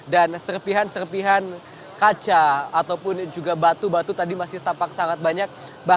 dan serpihan serpihan kaca ataupun juga batu batu tadi masih tampak sangat banyak